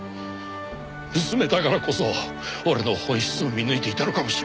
娘だからこそ俺の本質を見抜いていたのかもしれん。